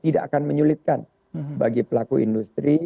tidak akan menyulitkan bagi pelaku industri